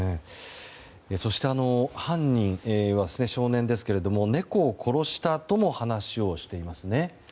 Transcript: そして、犯人は少年ですけども猫を殺したとも話をしていますね。